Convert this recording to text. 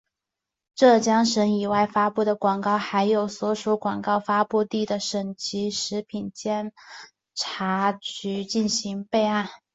浙江省以外发布的广告还在所属广告发布地的省级食品药品监督管理局进行备案。